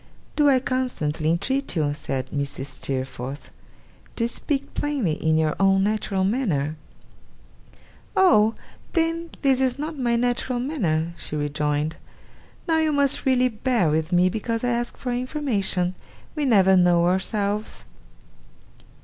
'Do I constantly entreat you,' said Mrs. Steerforth, 'to speak plainly, in your own natural manner?' 'Oh! then this is not my natural manner?' she rejoined. 'Now you must really bear with me, because I ask for information. We never know ourselves.